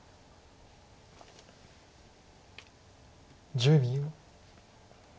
１０秒。